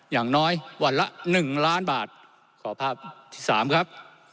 อย่างน้อยวันละ๑ล้านบาทขอภาพที่สามครับ